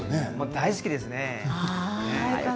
大好きですね。